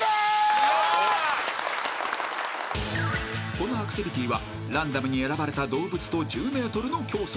［このアクティビティーはランダムに選ばれた動物と１０ｍの競争］